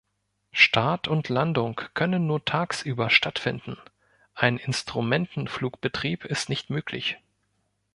Start und Landung können nur tagsüber stattfinden, ein Instrumentenflugbetrieb ist nicht möglich.